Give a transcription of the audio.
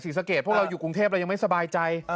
สะเกดพวกเราอยู่กรุงเทพเรายังไม่สบายใจ